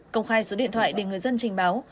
công khai số điện thoại để người dân trình báo